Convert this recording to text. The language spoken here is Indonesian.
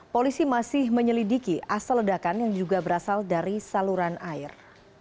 polisi masih menyelidiki asal ledakan yang juga berasal dari saluran air